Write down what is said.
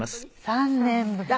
３年ぶり？